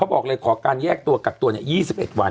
เขาบอกเลยขอการแยกตัวกักตัวเนี่ย๒๑วัน